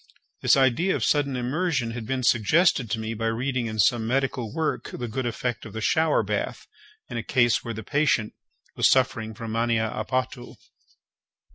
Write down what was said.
This idea of sudden immersion had been suggested to me by reading in some medical work the good effect of the shower bath in a case where the patient was suffering from mania a potu.